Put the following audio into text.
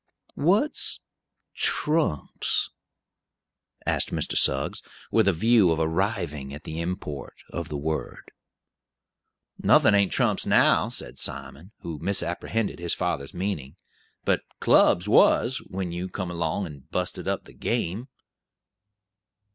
"What's trumps?" asked Mr. Suggs, with a view of arriving at the import of the word. "Nothin' ain't trumps now," said Simon, who misapprehended his father's meaning, "but clubs was, when you come along and busted up the game."